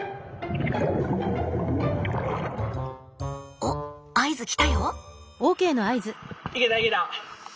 お合図来たよ！